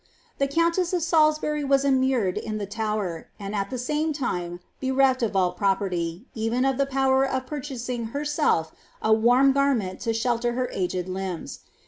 The countess of Sa]isbur\' was immured in the Tower, and i: • the same time bereft of all property, even of the power of purcfawicf herself a warm garment lo shelter her aged limbs.